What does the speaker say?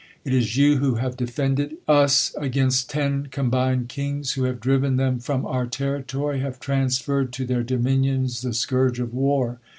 It is you who have defended !is against ton combined kings ; who have driven them from our territory ; have transferred to their dominions the scourge of war.